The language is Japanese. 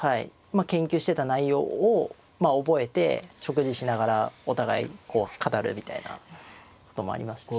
まあ研究してた内容を覚えて食事しながらお互いこう語るみたいなこともありました